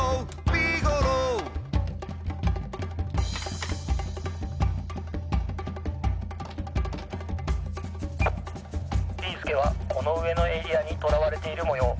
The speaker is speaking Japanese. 「ビーすけはこのうえのエリアにとらわれているもよう。